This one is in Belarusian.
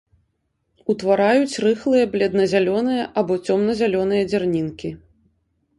Утвараюць рыхлыя бледна-зялёныя або цёмна-зялёныя дзярнінкі.